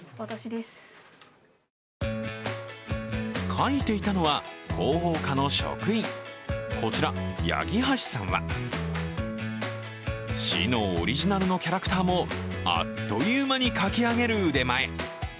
描いていたのは広報課の職員、こちら、八木橋さんは市のオリジナルのキャラクターもあっという間に描き上げる腕前。